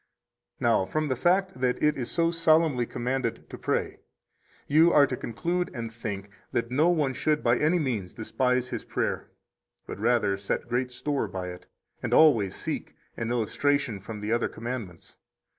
12 Now, from the fact that it is so solemnly commanded to pray, you are to conclude and think, that no one should by any means despise his prayer, but rather set great store by it, 13 and always seek an illustration from the other commandments.